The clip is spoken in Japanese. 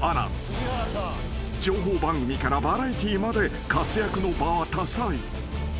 ［情報番組からバラエティーまで活躍の場は多彩］